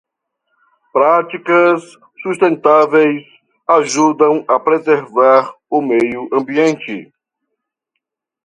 Práticas sustentáveis ajudam a preservar o meio ambiente.